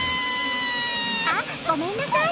あっごめんなさい。